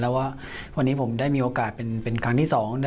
แล้วว่าวันนี้ผมได้มีโอกาสเป็นครั้งที่๒